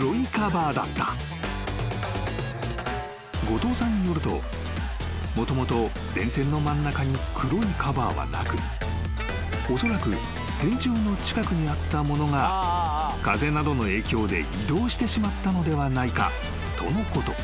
［後藤さんによるともともと電線の真ん中に黒いカバーはなくおそらく電柱の近くにあったものが風などの影響で移動してしまったのではないかとのこと］